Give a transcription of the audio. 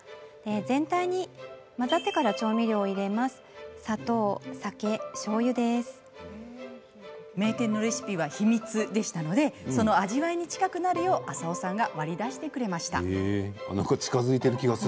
全体に混ざったら名店のレシピは秘密でしたのでその味わいに近くなるよう浅尾さんが割り出してくれました。